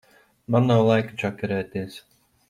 Man nav laika čakarēties.